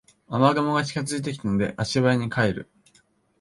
雨雲が近づいてきたので足早に帰る